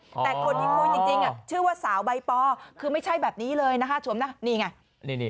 แต่คนที่คุยจริงชื่อว่าสาวใบปอคือไม่ใช่แบบนี้เลยนะฮะสวมนะนี่ไง